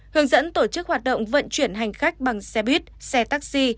hướng dẫn tổ chức hoạt động vận chuyển hành khách bằng xe buýt xe taxi